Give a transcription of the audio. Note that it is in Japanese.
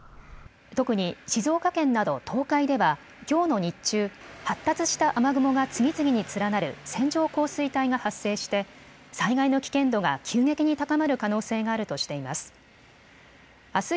特に静岡県など東海ではきょうの日中、発達した雨雲が次々に連なる線状降水帯が発生して災害の危険度が急激に高まる可能性があるとしています。